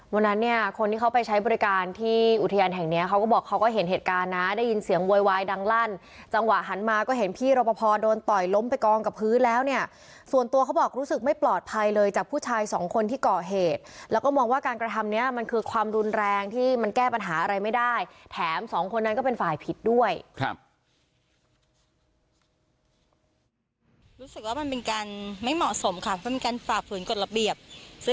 วันนั้นเนี่ยคนที่เขาไปใช้บริการที่อุทยานแห่งเนี้ยเขาก็บอกเขาก็เห็นเหตุการณ์นะได้ยินเสียงโวยวายดังลั่นจังหวะหันมาก็เห็นพี่รบพอโดนต่อยล้มไปกองกับพื้นแล้วเนี่ยส่วนตัวเขาบอกรู้สึกไม่ปลอดภัยเลยจากผู้ชายสองคนที่ก่อเหตุแล้วก็มองว่าการกระทำเนี้ยมันคือความรุนแรงที่มันแก้ปัญหาอะไรไม่ได้แถมสองคนนั้นก็เป็นฝ่ายผิดด้วยครับ